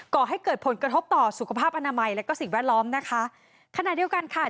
ก่อให้เกิดผลกระทบต่อสุขภาพอนามัยและก็สิ่งแวดล้อมนะคะขณะเดียวกันค่ะ